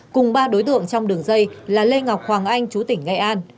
cùng ba đối tượng trong đường dây là lê ngọc hoàng anh chú tỉnh nghệ an